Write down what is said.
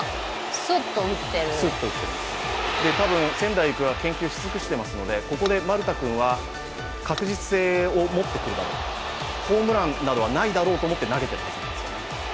多分、仙台育英は研究し尽くしていますので、ここで丸田君は確実性を持ってくるだろう、ホームランなどはないだろうと思って投げているんです。